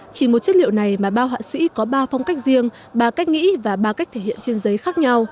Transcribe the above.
chỉ một chất liệu này mà ba họa sĩ có ba phong cách riêng ba cách nghĩ và ba cách thể hiện trên giấy khác nhau